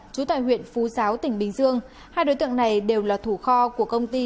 trú tại huyện phú giáo tỉnh bình dương hai đối tượng này đều là thủ kho của công ty